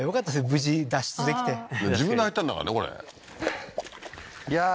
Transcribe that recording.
無事脱出できて自分で入ったんだからね